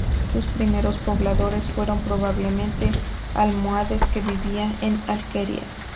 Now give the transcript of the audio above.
Sus primeros pobladores fueron probablemente almohades que vivían en alquerías.